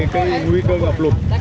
cái nguy cơ ngập lụt